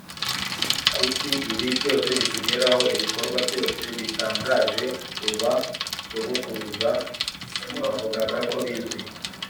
kuki ibi byose bitugeraho Ibikorwa byose bitangaje u ba sogokuruza bavugaga ko bizwi